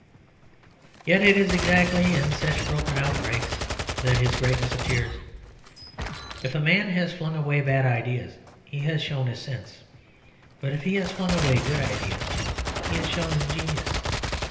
Yet it is exactly in such broken outbreaks that his greatness appears. If a man has flung away bad ideas he has shown his sense, but if he has flung away good ideas he has shown his genius.